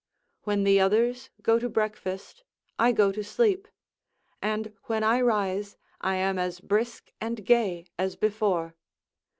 When the others go to breakfast, I go to sleep; and when I rise, I am as brisk and gay as before.